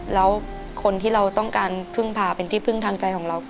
แล้วคนที่เราต้องการพึ่งพาเป็นที่พึ่งทางใจของเรา